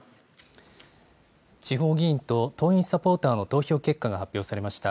地方議員と党員・サポーターの投票結果が発表されました。